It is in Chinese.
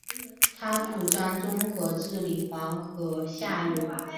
他主张综合治理黄河下游。